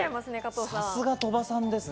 さすが鳥羽さんですね。